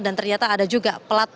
dan ternyata ada juga pelatnas